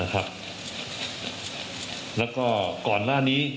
แล้วก็ก่อนหน้านี้